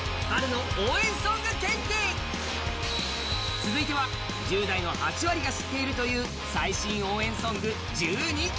続いては１０代の８割が知っているという最新応援ソング１２曲。